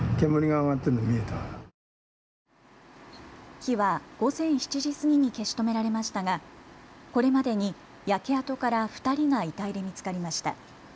火は午前７時過ぎに消し止められましたがこれまでに焼け跡から２人が遺体で見つかりました。